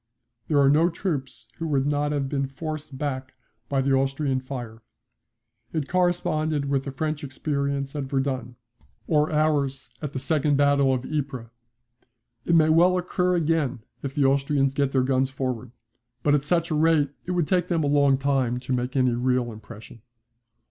There are no troops who would not have been forced back by the Austrian fire. It corresponded with the French experience at Verdun, or ours at the second battle of Ypres. It may well occur again if the Austrians get their guns forward. But at such a rate it would take them a long time to make any real impression.